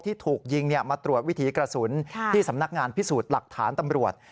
ที่ถูกยิงมาตรวจวิถีกระสุนที่สำนักงานพิสูจน์หลักฐานตำรวจ